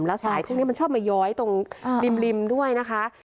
แล้วสายพวกนี้มันชอบมาย้อยตรงริมด้วยนะคะ